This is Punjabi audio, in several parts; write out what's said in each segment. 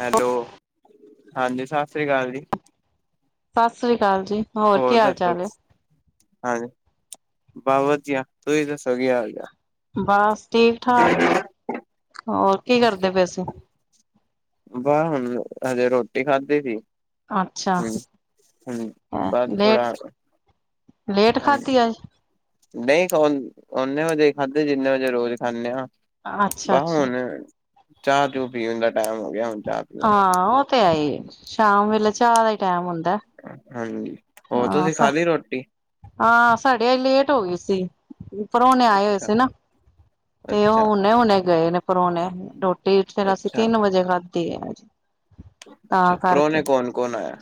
ਹੈਲੋ, ਹਾਂਜੀ ਸਤਿ ਸ਼੍ਰੀ ਅਕਾਲ ਜੀ। ਸਤਿ ਸ਼੍ਰੀ ਅਕਾਲ ਜੀ। ਹੋਰ ਕੀ ਹਾਲ ਦੱਸੋ? ਚਾਲ ਹੈ ਹਾਂਜੀ ਬ ਵਧੀਆ, ਤੁਸੀਂ ਦੱਸੋ ਕੀ ਹਾਲ ਚਾਲ ਬਸ ਠੀਕ-ਠਾਕ, ਹੋਰ ਕੀ ਕਰਦੇ ਪਏ ਸੀਂ? ਵਾਹ ਹੁਣ, ਹਜੇ ਰੋਟੀ ਖਾਧੀ ਸੀ ਅੱਛਾ ਹਮ-ਹਮ, ਬਾਅਦ ਲੇਟ ਥੋੜਾ ਲੇਟ ਹਾਂਜੀ ਖਾਧੀ ਅੱਜ? ਨਹੀਂ, ਓਨੇ ਵਜੇ ਖਾਧੀ, ਜਿੰਨੇ ਵਜੇ ਰੋਜ਼ ਖਾਂਦੇ ਆ ਅੱਛਾ ਬਾਹ ਅੱਛਾ ਹੁਣ ਚਾਹ ਚੂ ਪੀਣ ਦਾ ਟੇਮ ਹੋ ਗਿਆ, ਹੁਣ ਚਾਹ ਪੀ ਵ ਗੇ ਹਾਂ ਉਹ ਆਈ ਸ਼ਾਮ ਵੇਲੇ ਚਾਹ ਦਾ ਹੀ ਟੈਮ ਹੁੰਦਾ ਹਾਂਜੀ, ਹੋਰ ਹਾਂ ਤੁਸੀਂ ਸ ਖਾ ਲਈ ਰੋਟੀ? ਹਾਂ, ਸਾਡੇ ਅੱਜ ਲੇਟ ਹੋ ਗਈ ਸੀ, ਪਰੋਣੇ ਆਏ ਹੋਏ ਅੱਛਾ ਸੀ ਨਾ ਤੇ ਉਹ ਅੱਛਾ ਹੁਨੇ-ਹੁਨੇ ਗਏ ਨੇ ਪਰੁਣੇ, ਰੋਟੀ ਫਿਰ ਅਸੀ ਅੱਛਾ ਤਿੰਨ ਵਜੇ ਖ ਦੀ ਹ ਅੱਛਾ, ਪ੍ਰੋਣੇ ਕੌਣ-ਕੌਣ ਆਇਆ?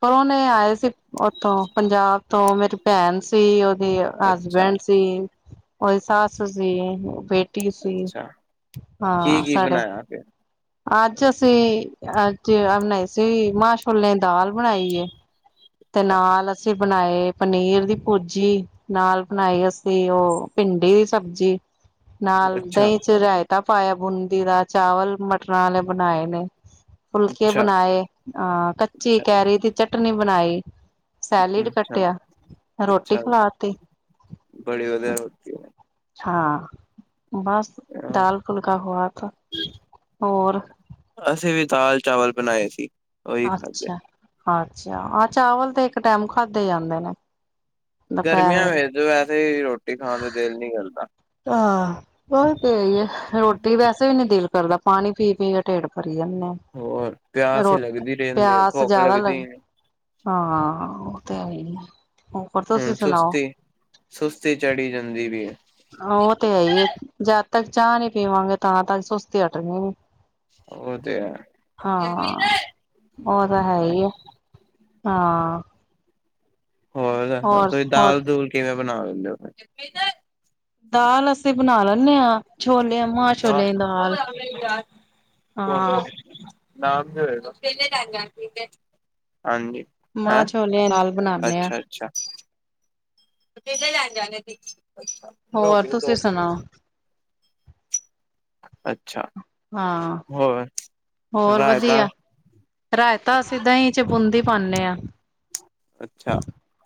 ਪ੍ਰੌਹਣੇ ਆਏ ਸੀ, ਉੱਥੋਂ ਪੰਜਾਬ ਤੋਂ ਮੇਰੀ ਭੈਣ ਸੀ, ਉਹਦੀ ਅੱਛਾ ਹਸਬੈਂਡ ਸੀ, ਉਹਦੀ ਸੱਸ ਸੀ, ਬੇ ਟੀ ਸੀ, ਅੱਛਾ ਕੀ ਹਾਂ ਕੀ ਸਾਡਾ ਬਣਾਇਆ ਫਿਰ ਅੱਜ਼ ਅਸੀਂ ਅੱਜ ਅ ਬਣਾਈ ਸੀ, ਮ ਛੋਲੇ ਦਾਲ ਬਣਾਈ ਏ ਤੇ ਨਾਲ ਅਸੀਂ ਬਣਾਏ ਪਨੀਰ ਦੀ ਭੂਰਜੀ ਨਾਲ ਬਣਾਈ, ਅਸੀਂ ਉਹ ਭਿੰਡੀ ਦੀ ਸਬਜ਼ੀ ਨਾਲ ਅੱਛਾ ਅੱਛਾ ਦਹੀਂ ਚ ਰਾਇਤਾ ਪਾਇਆ, ਬੂੰਦੀ ਦਾ ਚਾਵਲ ਮਟਰਾਂ ਵਾਲੇ ਬਣਾਏ ਨੇ ਫੁਲਕੇ ਅੱਛਾ ਬਣਾਏ, ਆ ਕੱਚੀ ਅੱਛਾ ਕੈਰੀ ਦੀ ਚਟਨੀ ਬਣਾਈ, ਸੈਲਿਡ ਕੱਟ ਅੱਛਾ ਕੁੱਟਿਆ, ਰੋਟੀ ਅੱਛਾ, ਖਾਲਤੀ ਬੜੀ ਵਧੀਆ ਰੋਟੀ ਹਾਂ, ਬਸ ਹਾਂ, ਦਾਲ-ਫੁਲਕਾ ਖੁਵਾਤਾ, ਹੋਰ? ਅਸੀਂ ਵੀ ਦਾਲ ਚਾਵਲ ਬਣਾਏ ਸੀ। ਉਹੀ ਖਾਧੇ, ਅੱਛਾ-ਅੱਛਾ, ਆਹ ਚਾਵਲ ਤੇ ਇੱਕ ਟਾਈਮ ਖਾਧੇ ਜਾਂਦੇ ਨੇ। ਦੁਪਹਿਰ ਗਰਮੀਆਂ ਵੇਲੇ ਵਿੱਚ ਤੇ ਵੈਸੇ ਹੀ ਰੋਟੀ ਖਾਣ ਦਾ ਦਿਲ ਨੀ ਕਰਦਾ ਹਹ ਬੱਸ ਉਈ ਆ ਰੋਟੀ ਵੈਸੇ ਵੀ ਨਹੀਂ ਦਿਲ ਨੀ ਕਰਦਾ, ਪਾਣੀ ਪੀ-ਪੀ ਕੇ ਢੇਡ ਭਰੀ ਜਾਨੇ ਹੋਰ ਆ ਪਿਆਸ ਹੀ ਰੋਟ, ਲੱਗਦੀ ਰਹਿੰਦੀ ਹੈ, ਪਿਆਸ ਭੁੱਖ ਜਿਆਦਾ ਲੱਗ ਲੱਗਦੀ ਨੀ, ਹਾਂ, ਉਹ ਤਾਂ ਹੇਈ ਆ ਹੁਣ ਸੁਸਤੀ-ਸੁਸਤੀ ਚੜੀ ਜਾਂਦੀ ਵੀ ਹੈ ਉਹ ਤੇ ਹੈ ਹੀ ਹੈ, ਜਦ ਤੱਕ ਚਾਹ ਨੀ ਪੀਵਾਂਗੇ ਤਾਂ ਤੱਕ ਸੁਸਤੀ ਹਟਣੀ ਨੀ। ਉਹ ਤੇ ਹੈ। ਹਾਂ, ਉਹ ਤਾਂ ਹੈ ਹੀ ਆ ਹਾਂ। ਹੋਰ? ਤੁਸੀਂ ਦਾਲ ਦੂਲ ਕਿਵੇਂ ਬਣਾ ਲੈਂਦੇ ਹੋ ਫ ਦਾਲ ਅਸੀਂ ਬਣਾ ਲੈਂਨੇ ਹਾਂ ਛੋਲਿਆ ਮਾਹ ਛੋਲੇ ਦੀ ਦਾਲ ਹਾਂ ਨਾਮ ਤੇ ਹੋਏਗਾ [inaudible] ਹਾਂਜੀ ਮਾਂ ਹੈਂ? ਛੋਲਿਆਂ ਦੀ ਦਾਲ ਬਣਾਉਦੇ ਹਾਂ ਅੱਛਾ-ਅੱਛਾ। [unintelligible] ਹੋਰ, ਤੁਸੀਂ ਸੁਣਾਓ? ਅੱਛਾ। ਹਾਂ, ਹੋਰ ਰਾਇਤਾ ਵਧੀਆ। ਰਾਇਤਾ ਅਸੀ ਦਹੀਂ 'ਚ ਬੂੰਦੀ ਪਾਉਂਦੇ ਹਾਂ। ਅੱਛਾ।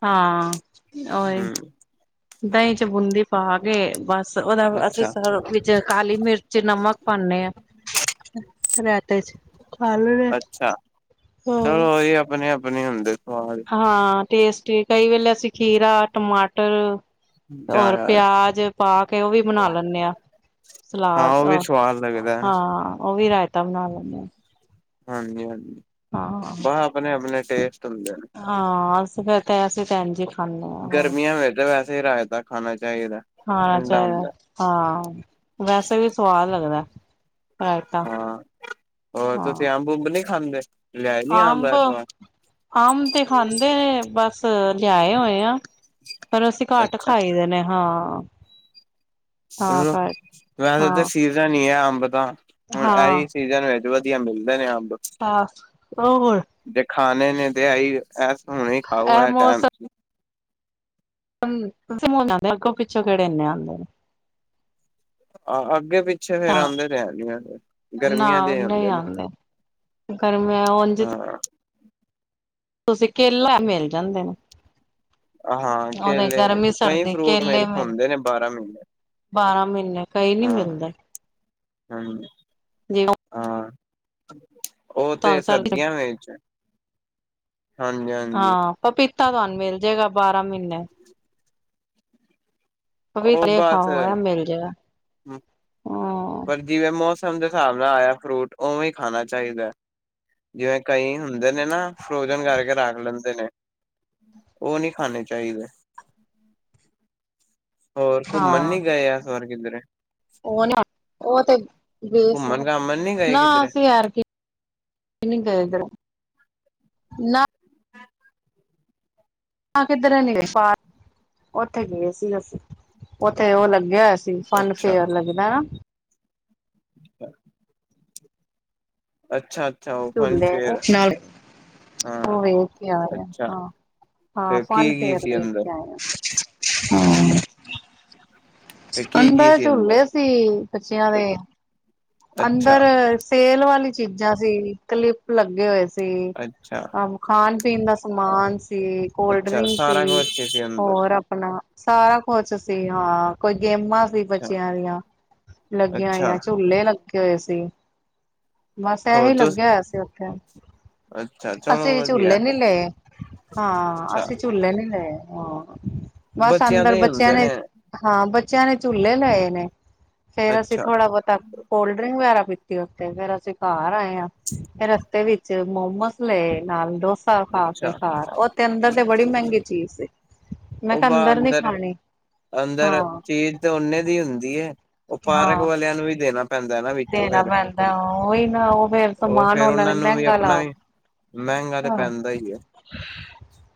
ਹਾਂ, ਓਹੀ ਹੂੰ ਦਹੀਂ ਚ ਬੂੰਦੀ ਪਾ ਕੇ ਬਸ ਉਹਦਾ ਅਸੀਂ ਅੱਛਾ ਵਿੱਚ ਕਾਲੀ-ਮਿਰਚ, ਨਮਕ ਪਾਉਨੇ ਆ। ਰਾਏਤੇ ਚ ਖਾ ਲੋ ਰੇ ਅੱਛਾ ਹੋਰ। ਚਲੋ ਇਹ ਆਪਣੇ-ਆਪਣੇ ਹੁੰਦੇ। ਹਾਂ, ਹਾਂਜੀ। [inaudible] ਹਾਂ ਟੇਸਟੀ, ਕਈ ਵੇਲੇ ਅਸੀਂ ਖੀਰਾ, ਟਮਾਟਰ ਜਾਂ ਹੋਰ ਯਾਰ ਪਿਆਜ ਪਾ ਕੇ ਉਹ ਵੀ ਬਣਾ ਲੈਂਨੇ ਆਂ। ਹਾਂ ਸਲਾਦ ਉਹ ਵੀ ਆਹ ਸਵਾਦ ਲੱਗਦਾ ਹੈ। ਹਾਂ, ਉਹ ਵੀ ਰਾਇਤਾ ਬਣਾ ਲੈਂਦੇ ਆਾਂ। ਹਾਂਜੀ, ਹਾਂਜੀ। ਹਾਂ, ਬਸ ਆਪਣੇ ਆਪਣੇ ਟੇਸਟ ਹੁੰਦੇ ਨੇ ਸਾਰੇ ਹਾਂ, ਅਸੀ ਫੇਰ, ਐ ਤੇ ਭੈਣਜੀ ਗਰਮੀਆਂ ਵਿੱਚ ਤਾਂ ਵੈਸੇ ਹੀ ਰਾਇਤਾ ਖਾਣਾ ਚਾਹੀਦਾ, ਖਾਣਾ ਠੰਡਾ ਚਾਹੀਦਾ ਹੁੰਦਾ। ਹਾਂ, ਵੈਸੇ ਵੀ ਸਵਾਦ ਲੱਗਦਾ। ਰਾਏਤਾ ਹਾਂ। ਖੁੰਬ ਨੀ ਖਾਂਦੇ। ਲਿਆਏ ਨੀ ਅੰਬ, ਇਸ ਵਾਰ ਅੰਬ ਤੇ ਖਾਂਦੇ ਨੇ ਬਸ ਲਿਆਏ ਹੋਏ ਆਂ। ਫੇਰ ਅਸੀਂ ਘੱਟ ਅੱਛਾ ਖਾਈ ਦੇ ਨੇ ਹਾਂ। ਤਾਂ ਚਲੋ, ਕਰ ਵੈਸੇ ਤੇ ਹਾਂ ਸੀਜ਼ਨ ਈ ਹੈ, ਅੰਬ ਦਾ ਹੁਣ ਹਾਂ ਐਹੀ ਸੀਜਨ ਵਿੱਚ ਵਧੀਆ ਮਿਲਦੇ ਨੇ ਅੰਬ। ਆ ਹੋਰ ਜੇ ਖਾਣੇ ਨੇ ਦੇ ਐ ਹੀ, ਐਸ ਹੁਣੇ ਖਾਓ ਇਹ ਹੈ ਟਾਈਮ ਮੌਸਮ ਅੱਗੋਂ ਪਿੱਛੋਂ ਕਿਹੜੇ ਇੰਨੇ ਆਉਂਦੇ ਨੇ। ਆਹ ਅੱਗੇ ਪਿੱਛੇ ਫੇਰ ਤਾਂ ਆਉਂਦੇ ਰਹਿਦੀ। ਗਰਮੀਆਂ ਦੇ ਆਉਂਦੇ ਨੇ ਗਰਮੀ ਐ ਉੰਝ ਤੇ ਹਾਂ ਤੁਸੀਂ ਕੇਲਾ, ਮਿਲ ਜਾਂਦੇ ਨੇ। ਹਾਂ, ਹਾਂ, ਉਹਦੇ ਕੇਲੇ, ਗਰਮੀ ਕਈ ਸਰਦੀ ਫਰੂਟ ਕੇਲੇ ਮਿਲ ਹੋਂਦੇ ਨੇ ਬਾਰਾਂ ਮਹੀਨੇ ਬਾਰਾਂ ਮਹੀਨੇ, ਕਈ ਨੀ ਮਿਲਦੇ। ਹਾਂਜੀ ਜਿਵੇਂ ਹਾਂ, ਉਹ ਤੇ ਤੁਹਾਨੂੰ ਸਰਦੀ ਸਰਦੀਆਂ ਵਿਚ ਹਾਂਜੀ, ਹਾਂਜੀ ਹਾਂ, ਪਪੀਤਾ ਤੁਹਾਨੂੰ ਮਿਲ ਜਾਏਗਾ, ਬਾਰਾਂ ਮਹੀਨੇ ਉਹ ਬਸ ਖਾਮ ਹੋਆ ਮਿਲ ਜਾਏਗਾ ਪਰ ਜਿਵੇਂ-ਮੌਸਮ ਦੇ ਹਿਸਾਬ ਨਾਲ ਆਇਆ ਫਰੂਟ, ਉਵੇਂ ਹੀ ਖਾਣਾ ਚਾਹੀਦਾ। ਜਿਵੇਂ-ਕਈ ਹੁੰਦੇ ਨੇ ਨਾ ਫਰੋਜਨ ਕਰਕੇ ਰੱਖ ਲੈਂਦੇ ਨੇ। ਉਹ ਨਹੀਂ ਖਾਣੇ ਚਾਹੀਦੇ। ਹੋਰ ਘੁੰਮਨ ਹਾਂ ਨੀ ਗਏ ਐਸ ਵਾਰ ਕਿਧਰੇ ਉਹ, ਉਹ ਤੇ ਬੇਸ ਐ, ਘੁੰਮਣ ਘਾਮਣ ਨੀ ਗਏ ਨਾ ਕਿਧਰੇ ਅਸੀਂ ਐਦਕੀ ਔ ਨੀ ਗਏ ਇਧਰ, ਨਾ ਕਿੱਧਰ ਨੀ ਗਏ--ਉੱਥੇ ਗਏ ਸੀ ਅਸੀਂ, ਉੱਥੇ ਉਹ ਲੱਗਿਆ ਹੋਯਾ ਸੀ ਤੇ ਅੱਛਾ ਫਨ-ਫੇਅਰ ਲੱਗਦਾ ਨਾ। ਅੱਛਾ। ਅੱਛਾ-ਅੱਛਾ ਓਪਨ ਝੂਲੇ, ਫੇਅਰ ਉਸ ਨਾਲ ਹਾਂ ਉਹ ਵੇਖ ਕੇ ਆਏ ਆ। ਅੱਛਾ ਹਾਂ, ਹਾਂ, ਤੇ ਫਨ- ਕੀ-ਕੀ ਫੇਅਰ ਸੀ ਵੇਖ ਅੰਦਰ ਕੇ ਆਏ ਆਂ। ਹਾਂ, ਤੇ ਕੀ-ਕੀ ਅੰਦਰ ਸੀ ਝੂਲੇ ਸੀ, ਬੱਚਿਆਂ ਦੇ ਅੰਦਰ ਸੇਲ ਵਾਲੀ ਚੀਜ਼ਾਂ ਸੀ, ਕਲਿਪ ਲੱਗੇ ਹੋਏ ਸੀ। ਅੱਛਾ-ਅੱਛਾ ਅੱਛਾ ਖਾਣ-ਪੀਣ ਦਾ ਸਮਾਨ ਸੀ, ਕੋਲਡ ਅੱਛਾ ਡਰਿੰਕ ਸਾਰਾ ਸੀ, ਕੁਛ ਸੀ ਅੰਦਰ ਹੋਰ ਆਪਣਾ ਸਾਰਾ ਕੁਛ ਸੀ ਹਾਂ। ਕੋਈ ਗੇਮਾਂ ਸੀ ਅੱਛਾ-ਅੱਛਾ ਬੱਚਿਆਂ ਦੀਆਂ, ਲੱਗੀਆਂ ਹੋਈਆਂ ਝੂਲੇ ਲੱਗੇ ਲੱਗੇ ਹੋਏ ਸੀ, ਬਸ ਇਹੀ ਹੋਰ ਤੁਸ ਲੱਗਿਆ ਹੋਇਆ ਸੀ ਉੱਥੇ। ਅੱਛਾ ਚਲੋ ਅਸੀਂ ਵਧੀਆ ਝੂਲੇ ਨੀ ਲੇ। ਹਾਂ ਅੱਛਾ ਅਸੀਂ ਝੂਲੇ ਨੀ ਲਏ ਹਾਂ, ਬਸ ਅੰਦਰ ਬੱਚਿਆਂ ਨੇ ਹਾਂ ਬੱਚਿਆਂ ਨੇ ਝੂਲੇ ਲਏ ਨੇ, ਫੇਰ ਅਸੀਂ ਥੋੜ੍ਹਾ ਬੋਤਾ ਕੋਲਡ ਡਰਿੰਕ ਵਗੈਰਾ ਪੀਤੀ ਉਥੇ ਫੇਰ ਅਸੀਂ ਘਰ ਆਏ ਆ, ਫਿਰ ਰਸਤੇ ਵਿੱਚ ਮੋਮੋਸ ਲੇ ਨਾਲ ਡੋਸਾ ਖਾ ਕੇ ਅੱਛਾ-ਅੱਛਾ ਘਰ ਆਏ, ਉਥੇ ਅੰਦਰ ਤੇ ਬੜੀ ਮਹਿੰਗੀ ਚੀਜ਼ ਸੀ। ਮੈਂ ਕਿਹਾ ਉਦਾ ਨੀ ਅੰਦਰ- ਖਾਣੀ ਅੰਦਰ ਹਾਂ ਚੀਜ਼ ਤੇ ਓਨੇ ਦੀ ਹੁੰਦੀ ਐ, ਉਹ ਪਾਰਕ ਹਾਂ ਵਾਲਿਆਂ ਨੂੰ ਵੀ ਦੇਣਾ ਪੈਂਦਾ। ਨਾਲੇ ਵਿੱਚੋਂ ਦੇਣਾ ਫਿਰ, ਪੈਂਦਾ ਉਹੀ ਨਾ ਉਹ ਫੇਰ ਉਹ ਸਮਾਨ ਫੇਰ ਨੇ ਉਹਨਾਂ ਨੂੰ ਵੀ ਮਹਿੰਗਾ ਲਾ ਆਪਣਾ ਵੀ ਮਹਿੰਗਾ ਤੇ ਪੈਂਦਾ ਈ ਐ।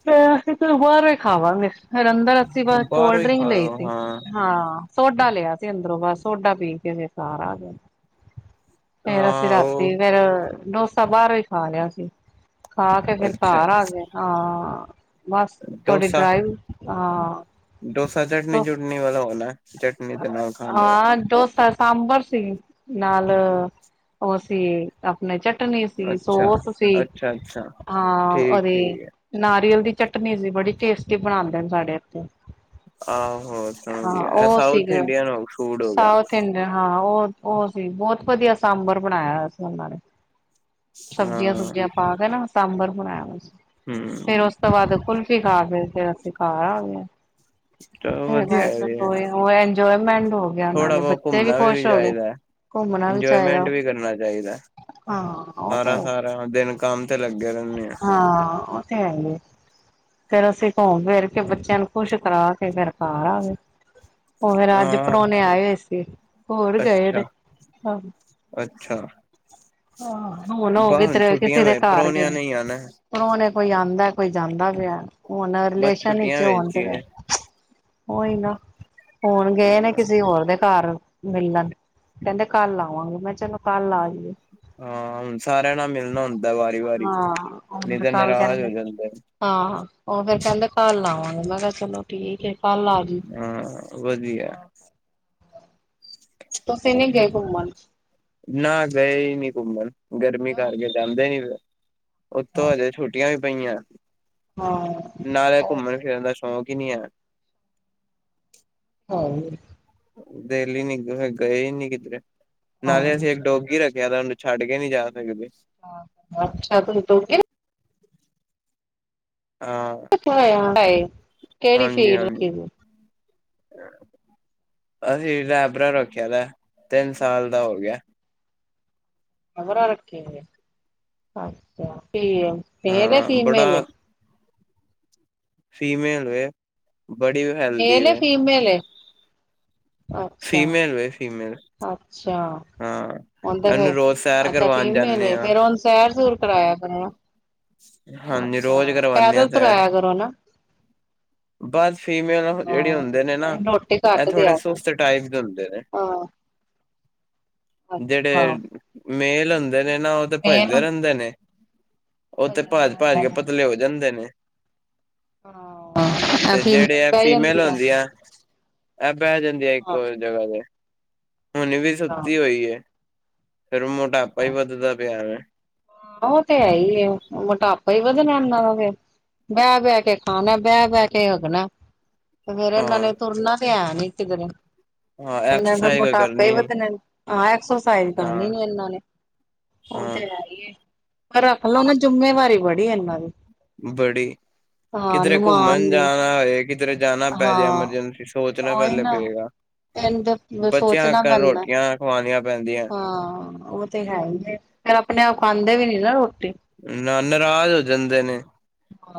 ਹੋਰ ਅਸੀਂ ਬਾਹਾਰ ਈ ਖਾਵਾਂਗੇ। ਫਿਰ ਅੰਦਰ ਅਸੀਂ ਬਸ ਬਾਹਰੋਂ ਕੋਲਡ ਹੀ ਡ੍ਰਿੰਕ ਖਾ ਲਈ ਲੋ ਸੀ ਹਾਂ। ਸੋਡਾ ਲਿਆ ਸੀ ਅੰਦਰੋਂ ਬਸ, ਸੋਡਾ ਪੀ ਕੇ ਫੇਰ ਘਾਰ ਆ ਗਿਆ। ਫੇਰ ਅਸੀਂ ਹਾਂ-ਹਾਂ ਰਾਤੀ ਉਹ ਫੇਰ ਡੋਸਾ ਬਾਹਰੋਂ ਹੀ ਖਾ ਲਿਆ ਸੀ। ਖਾ ਕੇ ਫਿਰ ਅੱਛਾ ਘਰ ਆ ਗੇ ਹਾਂ, ਬਸ ਥੋੜੀ ਡੋਸਾ ਡਰਾਈਵ ਹਾਂ ਡੋਸਾ ਚਟਨੀ- ਚੁਟਨੀ ਵਾਲਾ ਹੋਣਾ, ਚਟਨੀ ਦੇ ਨਾਲ ਖਾਣ ਵਾਲਾ। ਹਾਂ ਡੋਸਾ ਸਾਂਬਰ ਸੀ ਨਾਲ, ਉਹ ਸੀ ਆਪਣੀ ਚਟਨੀ ਸੀ, ਅੱਛਾ ਸੋਸ ਸੀ, ਅੱਛਾ ਅੱਛਾ ਹਾਂ ਠੀਕ ਔਰ ਠੀਕ ਹੈ ਨਾਰੀਅਲ ਦੀ ਚਟਨੀ ਸੀ ਬੜੀ ਟੇਸਟੀ ਬਣਾਦੇਣ ਨੇ ਸਾਡੇ ਇੱਥੇ। ਆਹੋ ਸਮਝ ਗਿਆ ਐ ਸਾਊਥ ਗਿਆ ਇੰਡੀਅਨ ਫੂਡ ਹੋ ਗਿਆ ਸਾਊਥ ਇੰ ਡਿਆ ਹਾਂ ਉਹ- ਉਹ ਸੀ ਬਹੁਤ ਵਧੀਆ ਸਾਂਬਰ ਬਣਾਇਆ ਹੋਇਆ ਸੀ ਉਹਨਾਂ ਨੇ। ਹਾਂ ਸਬਜ਼ੀਆਂ- ਸੁਬਜੀਆਂ ਪਾ ਕੇ ਨਾ ਸਾਂਬਰ ਬਣਾਇਆ ਹੋਇਆ ਸੀ। ਹੂੰ ਫੇਰ ਉਸ ਤੋਂ ਬਾਅਦ ਕੁਲਫ਼ੀ ਖਾ ਕੇ ਫੇਰ ਅਸੀਂ ਘਰ ਆ ਗਏ ਆ। ਚਲੋ ਵਧੀਆ ਵੈਸ ਹੈ ਵੀ, ਕੋਈ, ਹੋ ਇੰਜੋਏਮੈਂਟ ਹੋ ਗਿਆ ਥੋੜਾ ਨਾਲੇ ਬਹੁਤ ਬੱਚੇ ਵੀ ਘੁੰਮਣਾ ਖੁਸ਼ ਹੋ ਗੇ। ਚਾਹੀਦਾ ਹੈ, ਇੰਜੋਏਮੈਂਟ ਵੀ ਕਰਨਾ ਚਾਹੀਦਾ। ਹਾਂ ਉਹ ਤੇ ਸਾਰਾ -ਸਾਰਾ ਦਿਨ ਕੰਮ ਤੇ ਲੱਗੇ ਰਹਿੰਨੇ ਆ। ਹਾਂ ਓ ਤੇ ਹੈ ਈ ਏ। ਫੇਰ ਅਸੀਂ ਘੁੰਮ ਫਿਰ ਕੇ ਬੱਚਿਆਂ ਨੂੰ ਖੁਸ਼ ਕਰਾ ਕੇ ਫੇਰ ਘਾਰ ਆ ਗੇ। ਉਹ ਫਿਰ ਅੱਜ ਹਾਂ ਪਰੋਣੇ ਆਏ ਹੋਏ ਸੀ। ਹੁਣ ਗੇ ਨੇ, ਅੱਛਾ ਆਹੋ। ਅੱਛਾ ਹਾ, ਹੁਣ ਹੋ ਬਸ ਗੇ ਹੁਣ ਤੇਰੇ ਆਏ ਸੀ ਛੁੱਟੀਆਂ ਤੇਰੇ ਘਰ ਵਿੱਚ ਘਰ ਗਏ ਪ੍ਰੋਹਣਿਆਂ ਨੇ, ਹੀ ਆਣਾ ਹੁਣ ਉਨ ਕੋਈ ਆਉਂਦਾ ਕੋਈ ਜਾਂਦਾ ਪਿਆ। ਹੁਣ ਬਸ ਅਗਲੇ ਛੁੱਟੀਆਂ ਸ਼ਨੀਚਰ ਹੁਣ ਵਿੱਚ ਤੇ ਹੀ ਗੇ। ਉਹੀ ਨਾ, ਹੋਣ ਗਏ ਨੇ ਹਾਂ ਕਿਸੇ ਹੋਰ ਦੇ ਘਰ ਮਿਲਣ, ਕਹਿੰਦੇ ਕੱਲ ਆਵਾਂਗੇ ਮੈਂ ਚਲੋ ਕੱਲ ਆ ਜੀਓ। ਹਾਂ ਹੁਣ ਸਾਰਿਆਂ ਨਾਲ ਮਿਲਣਾ ਹੁੁੰਦ ਹਾਂ ਉਹ ਫਿਰ ਕੱਲ ਹੋ ਕਹਿੰਦੇ, ਜਾਂਦਾ ਹਾਂ ਉਹ ਫੇਰ ਕਹਿੰਦੇ ਕੱਲ ਆਵਾਂ ਗੇ, ਮੈਂ ਕਿਹਾ ਚਲੋ ਠੀਕ ਏ ਕੱਲ ਆ ਜੀਓ। ਹਾਂ, ਵਧੀਆ। ਤੁਸੀਂ ਨੀ ਗਏ ਘੁੰਮਣ? ਨਾ ਗਏ ਨੀ ਘੁੰਮਣ, ਗਰਮੀ ਕਿਉਂ ਕਰਕੇ ਜਾਂਦੇ ਨੀ। ਉਤੋਂ ਹਜੇ ਛੁੱਟੀਆਂ ਵੀ ਪਈਆਂ। ਹਾ ਨਾਲੇ ਘੁੰਮਣ-ਫਿਰਨ ਦਾ ਸ਼ੌਕ ਹੀ, ਨਹੀਂ ਐ। ਹਾਂ ਦਿੱਲ‌ ਈ ਨੀ, ਗਏ ਨੀ ਕਿਤੇ ਨਾਲੇ ਅਸੀਂ ਇੱਕ ਡੋਗੀ ਰੱਖ ਯਾਰਾਂ ਨੂੰ ਛੱਡ ਕੇ ਨਹੀਂ ਜਾ ਸਕਦੇ। ਆ ਅੱਛਾ, ਤੁਹੀ ਤੁਰਗੇ? ਆਂ ਕਿੱਥੋਂ ਆਇਆ ਆ ਏ? ਹਾਂਜੀ-ਹਾਂਜੀ। ਅਸੀਂ ਲੈਬਰਾ ਰੋੱਖਿਆ ਦਾ, ਤਿੰਨ ਸਾਲ ਦਾ ਹੋਗਿਆ। ਲੈਬਰਾਂ ਰੱਖਿਆ ਹੋਇਆ, ਅੱਛਾ ਫ ਮੇਲ ਆ ਹਾਂ ਫੀਮੇਲ ਬੜਾ ਏ? ਫੀਮੇਲ ਵੇ ਬੜੀ ਹੈਲਦੀ ਮੇਲ ਏ ਵੇ। ਫੀਮੇਲ ਏ? ਅੱਛਾ ਫੀਮੇਲ ਵੇ, ਫੀਮੇਲ। ਅੱਛਾ। ਹਾਂ ਉਹਨ ਤੇ ਇਹਨੂੰ ਫਿਰ, ਰੋਜ਼ ਸੈਰ ਅੱਛਾ ਕਰਵਾਉਣ ਫੀਮੇਲ ਜਾਂਦੇ ਏ, ਹਾਂ ਫਿਰ ਉਹਨੂੰ ਸੈਰ-ਸੂਰ ਕਰਾਇਆ ਕਰੋ ਨਾ। ਹਾਂਜੀ ਰੋਜ਼ ਅੱਛਾ, ਕਰਵਾਨੇ ਆ ਪੈਦਲ ਸੈਰ ਤੁਰਾਇਆ ਕਰੋ ਨਾ। ਬਸ ਫੀਮੇਲ ਜਿਹੜੇ ਹਾਂ ਹੁੰਦੇ ਨੇ, ਨਾ ਰੋਟੀ ਐ ਘੱਟ ਥੋੜੇ ਦਿਆ ਕਰ ਸੁਸਤ ਟਾਈਪ ਦੇ ਹੁੰਦੇ ਨੇ। ਹਾਂ ਅੱਛਾ ਜਿਹੜੇ ਮੇਲ ਹੁੰਦੇ ਨੇ ਨਾ, ਉਹ ਤੇ ਮੇਨ ਭੱਜਦੇ ਰਹਿੰਦੇ ਨੇ। ਉਹ ਤੇ ਭਾਜ-ਭਾਜ ਕੇ ਪਤਲੇ ਹੋ ਜਾਂਦੇ ਨੇ। ਹਾਂ ਤੇ ਜਿਹੜੇ ਫੀਮੇਲ ਆ ਬਹਿ ਫੀਮੇਲ ਜਾਂਦੀਆਂ ਹੁੰਦੀਆ, ਐ ਬਹਿ ਜਾਂਦੀਆ ਇੱਕ ਹਾਂ ਹੋ ਜਗ੍ਹਾ ਤੇ। ਹੁਣੀ ਵੀ ਹਾਂ ਸੁੱਤੀ ਹੋਈ ਏ, ਫਿਰ ਮੋਟਾਪਾ ਹੀ ਵੱਧਦਾ ਪਿਆ ਵੇ। ਆ ਉਹ ਤੇ ਹੈਹੀ ਏ, ਮ੍ਹੋਟਾਪਾ ਹੀ ਵਧਣਾ ਇਹਨਾਂ ਦਾ ਫਿਰ। ਬਹਿ-ਬਹਿ ਕੇ ਖਾਣਾ ਬਹਿ-ਬਹਿਕੇ ਹਗਣਾ। ਤੇ ਫੇਰ, ਇਹਨਾਂ ਹਾਂ ਨੇ ਤੁਰਨਾ ਤੇ ਹੈ ਨੀ ਕਿਧਰੇ। ਹਾਂ ਫਿਰ ਐਕਸਰਸਾਈਜ਼ ਕੋਈ ਮੋਟਾਪੇ ਈ ਕਰਨੀ ਨੀ ਵੱਧਣੇਨ, ਹਾਂ, ਐਕਸਰਸਾਈਜ਼ ਕਰਨੀ ਹਾਂ ਨੀ ਇਹਨਾਂ ਨੇ। ਉਹ ਹਾਂ। ਤੇ ਹੈ ਹੀ ਏ ਪਰ ਰੱਖ ਲਓ ਨਾ, ਜੁੰਮੇਵਾਰੀ ਬੜੀ ਏ ਇਹਨਾਂ ਦੀ। ਬੜੀ। ਹਾਂ ਕਿਧਰੇ ਘੁੰਮਣ ਨਿਭਾਣ ਦੀ ਜਾਣਾ ਹੋਏ, ਕਿਧਰੇ ਜਾਣਾ ਪੈਜੇ ਹਾਂ ਐਮਰਜੈਂਸੀ ਸੋਚਣਾ ਪਹਿਲੇ ਪਏਗਾ। ਇਹਨ ਤੇ ਬੱਚਿਆਂ ਸੋਚਣਾ ਅਕਣ ਪੈਂਦਾ, ਰੋਟੀਆਂ ਖਵਾਣੀਆਂ ਪੈਂਦੀਆਂ ਹਾਂ, ਓ ਤੇ ਹੈਹੀ ਏ, ਫਿਰ ਅਪਣੇ-ਆਪ ਖਾਂਦੇ ਵੀ ਨੀ ਨਾ ਰੋਟੀ। ਨਾਂ, ਨਰਾਜ਼ ਹੋ ਜਾਂਦੇ ਨੇ,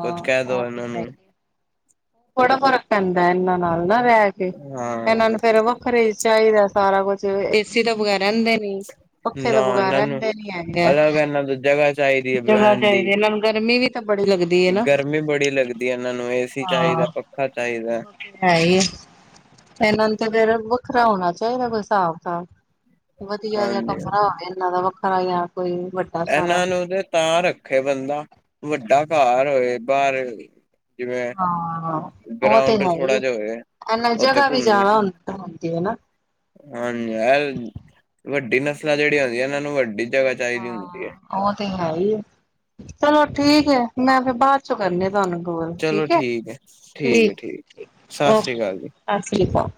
ਕੁੱਛ ਕਹਿਦੋ ਉਹ ਤੇ ਇਹਨਾਂ ਹੈ ਨੂੰ। ਹੀ ਬੜਾ ਫਰਕ ਪੈਂਦਾ ਇਹਨਾਂ ਨਾਲ ਨਾ ਰਹਿ ਕੇ, ਹਾਂ ਇਹਨਾਂ ਨੂੰ ਫੇਰ ਵੱਖਰੇ ਈ ਚਾਹੀਦਾ ਸਾਰਾ ਕੁਛ, ਏਸੀ ਤੋ ਬਗੈਰਾ ਰਹਿੰਦੇ ਨੀ। ਪੱਖੇ ਤੋ ਨਾ ਬਗੈਰ ਇਹਨਾਂ ਨੂੰ ਰਹਿੰਦੇ ਨੀ ਹੈਗੇ, ਅਲੱਗ ਇਹਨਾਂ ਤੋਂ ਜਗ੍ਹਾ ਚਾਹੀਦੀ ਹੈ ਜਗ੍ਹਾ ਬਹਿਣ ਦੀ ਚਾਹੀਦੇ ਇਹਨਾਂ ਨੂੰ ਗਰਮੀ ਵੀ ਬੜੀ ਲੱਗ ਗਰਮੀ ਬੜੀ ਲੱਗਦੀ ਏ ਇਹਨਾਂ ਨੂੰ, ਏਸੀ ਚਾਹੀਦਾ, ਪੱਖਾ ਚਾਹੀਦਾ। ਹੈਹੀਏ, ਇਹਨਾਂ ਨੂੰ ਤੇ ਫੇਰ ਵੱਖਰਾ ਹੋਣਾ ਚਾਹੀਦਾ ਕੋਈ ਹਿਸਾਬ-ਕਤਾਬ। ਵਧੀਆ ਜੇਆ ਹਾਂਜੀ ਕਮਰਾ ਹੋਵੇ ਇਹਨਾਂ ਦਾ ਵੱਖਰਾ ਜੇਆ, ਇਹਨਾਂ ਨੂੰ ਤੇ ਤਾਂ ਰੱਖੇ ਬੰਦਾ, ਵੱਡਾ ਘਰ ਹੋਏ ਬਾਹਰ, ਜਿਵੇਂ ਹਾਂ ਗਰਾਊਂਡ ਥੋੜਾ ਜਿਹਾ ਹੋਵੇ, ਐਨਾਂ ਜਗ੍ਹਾ ਵੀ ਜ਼ਿਆਦਾ ਹੁੰ ਹੁੰਦੀ ਹਨਾ, ਹਾਂਜੀ ਯਾਰ ਵੱਡੀ ਨਸਲਾਂ ਜਿਹੜੀਆਂ ਹੁੰਦੀਆਂ ਨੇ, ਇਹਨਾਂ ਨੂੰ ਵੱਡੀ ਜਗ੍ਹਾ ਚਾਹੀਦੀ ਹੁੰਦੀ, ਹੈ ਉਹ ਤੇ ਹੈ ਹੀ ਆ, ਚਲੋ ਠੀਕ ਹੈ, ਮੈਂ ਫਿਰ ਬਾਅਦ ਚੋਂ ਕਰਨੀ ਆ ਤੁਹਾਨੂੰ, ਹੋਰ ਠੀਕ ਏ ਠੀਕ -ਠੀਕ ਸਤਿ ਸ੍ਰੀ ਓਕੇ ਅਕਾਲ ਜੀ। ਸਤ ਸ਼੍ਰੀਕਾਲ।